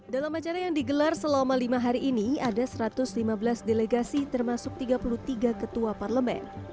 dalam acara yang digelar selama lima hari ini ada satu ratus lima belas delegasi termasuk tiga puluh tiga ketua parlemen